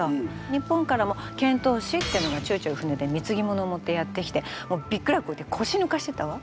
日本からも遣唐使ってのがちょいちょい船でみつぎ物を持ってやって来てびっくらこいて腰抜かしてたわ。